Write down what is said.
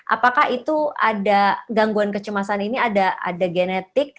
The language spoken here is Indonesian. apakah itu ada gangguan kecemasan ini ada genetik